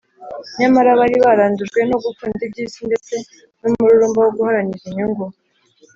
nyamara bari barandujwe no gukunda iby’isi ndetse n’umururumba wo guharanira inyungu